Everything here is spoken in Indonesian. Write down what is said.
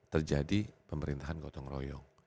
terjadi pemerintahan gotong royong